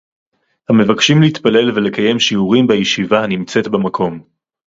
המבקשים להתפלל ולקיים שיעורים בישיבה הנמצאת במקום